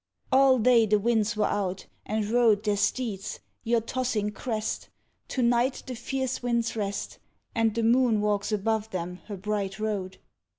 All day the winds were out, and rode Their steeds, your tossing crest, To night the fierce winds rest, And the moon walks above them her bright road.